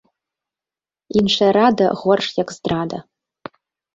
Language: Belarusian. Іншая рада ‒ горш як здрада